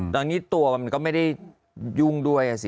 แล้วนี่ตัวมันก็ไม่ได้ยุ่งด้วยสิ